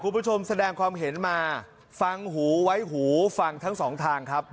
คุณผู้ชมแสดงความเห็นมาฟังหูไว้หูฟังทั้งสองทางครับ